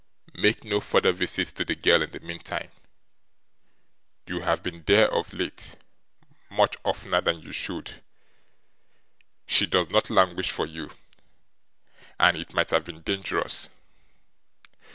'Make no further visits to the girl in the meantime. You have been there, of late, much oftener than you should. She does not languish for you, and it might have been dangerous.